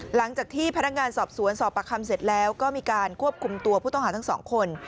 หลังจากที่พนักงานสอบสวนสอบประคำเสร็จแล้วก็มีการควบคุมตัวผู้ต้องหาทั้งสองคน